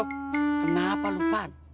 kenapa lu pan